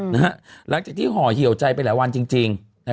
หลังจากที่ห่อเหี่ยวใจไปหลายวันจริง